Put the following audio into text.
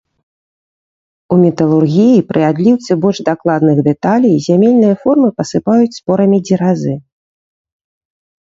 У металургіі пры адліўцы больш дакладных дэталей зямельныя формы пасыпаюць спорамі дзеразы.